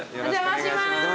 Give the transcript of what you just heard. お邪魔します！